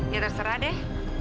ya terserah deh